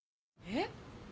えっ？